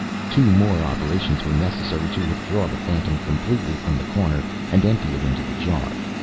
Two more operations were necessary to withdraw the phantom completely from the corner and empty it into the jar.